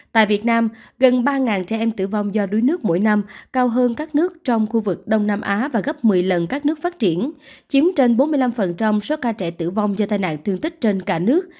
tại việt nam gần ba trẻ em tử vong do đuối nước mỗi năm cao hơn các nước trong khu vực đông nam á và gấp một mươi lần các nước phát triển chiếm trên bốn mươi năm số ca trẻ tử vong do tai nạn thương tích trên cả nước